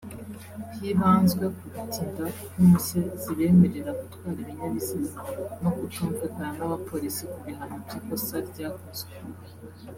hibanzwe ku gutinda kw’impushya zibemerera gutwara ibinyabiziga no kutumvikana n’abapolisi ku bihano by’ikosa ryakozwe